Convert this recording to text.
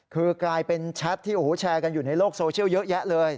คือกลายเป็นแชทที่แชร์กันอยู่ในโลกโซเชียลเยอะแยะเลย